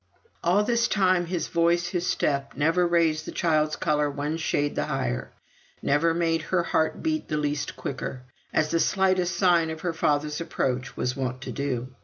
All this time his voice, his step, never raised the child's colour one shade the higher, never made her heart beat the least quicker, as the slightest sign of her father's approach was wont to do.